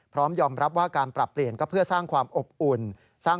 พร้อมยอมรับว่าการปรับเปลี่ยนก็เพื่อสร้างความอบอุ่น